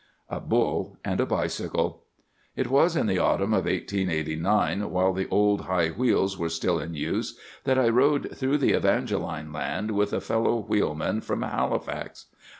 A BULL AND A BICYCLE. "It was in the autumn of 1889, while the old, high wheels were still in use, that I rode through the Evangeline land with a fellow wheelman from Halifax.